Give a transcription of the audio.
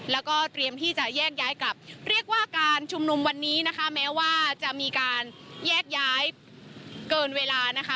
เรียกว่าการชุมนมวันนี้นะคะแม้ว่าจะมีการแยกย้ายเกินเวลานะคะ